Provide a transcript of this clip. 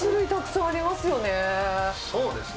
そうですね。